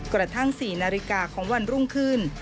กระทั่ง๔นาฬิกาของวันรุ่งขึ้น